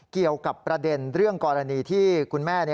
เกี่ยวกับประเด็นเรื่องกรณีที่คุณแม่